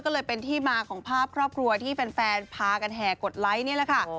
ก็เลยเป็นที่มาของภาพครอบครัวที่แฟนพากันแห่กดไลค์นี่แหละค่ะ